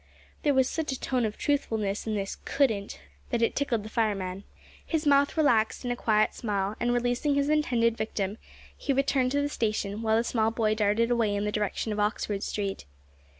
There was such a tone of truthfulness in this "couldn't" that it tickled the fireman. His mouth relaxed in a quiet smile, and, releasing his intended victim, he returned to the station, while the small boy darted away in the direction of Oxford Street.